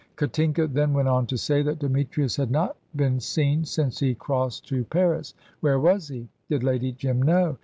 Katinka then went on to say that Demetrius had not been seen since he crossed to Paris. Where was he? Did Lady Jim know?